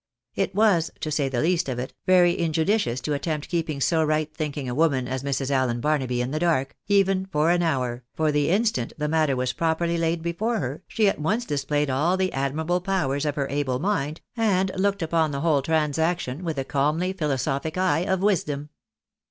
It was, to say the least of it, very injudicious to attempt keeping so right thinking a woman as Mrs. Allen Barnaby in the dark, even for an hour, for the instant the matter was properly laid before her, she at once displayed all the admirable powers of her able mind, and looked upon the whole transaction with the calmly philosophic eye of wisdom.